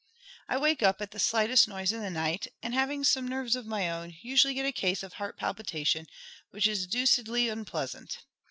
I wake up at the slightest noise in the night, and, having some nerves of my own, usually get a case of heart palpitation, which is deucedly unpleasant.